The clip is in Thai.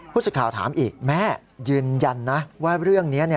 สิทธิ์ข่าวถามอีกแม่ยืนยันนะว่าเรื่องนี้